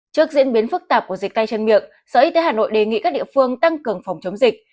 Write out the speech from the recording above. trước diễn biến phức tạp của dịch tay chân miệng sở y tế hà nội đề nghị các địa phương tăng cường phòng chống dịch